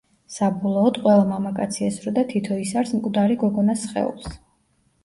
საბოლოოდ, ყველა მამაკაცი ესროდა თითო ისარს მკვდარი გოგონას სხეულს.